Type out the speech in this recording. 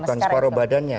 bukan separuh badannya